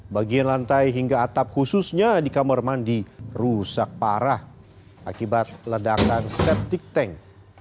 bagian lantai hingga atap khususnya di kamar mandi rusak parah akibat ledakan septic tank